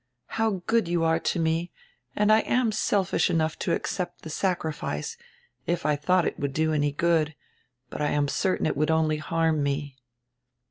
"How good you are to me! And I am selfish enough to accept die sacrifice, if I diought it would do any good. But I am certain it w r ould only harm me."